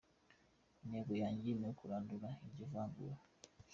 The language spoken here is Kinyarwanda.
Intego yanjye ni ukurandura iryo vangura.